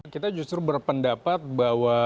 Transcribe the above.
kita justru berpendapat bahwa